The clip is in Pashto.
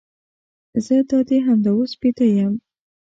زه دادي همدا اوس بیده یم.